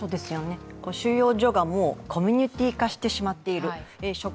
収容所がコミュニティー化してしまっている。